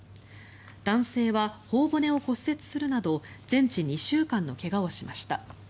男性は頬骨を骨折するなど全治２週間の怪我をしました。